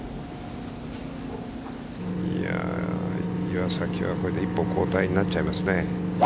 岩崎はこれで一歩後退になっちゃいますね。